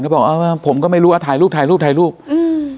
บอกเออผมก็ไม่รู้อ่ะถ่ายรูปถ่ายรูปถ่ายรูปอืม